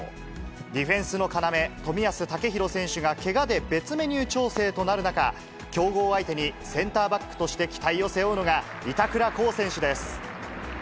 ディフェンスの要、冨安健洋選手がけがで別メニュー調整となる中、強豪相手にセンターバックとして期待を背負うのが、板倉滉選手です。